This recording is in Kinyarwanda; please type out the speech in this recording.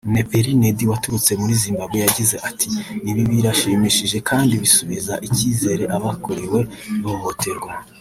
Nhepera Neddi waturutse muri Zimbabwe yagize ati “Ibi birashimishije kandi bisubiza icyizere abakorewe ihohoterwa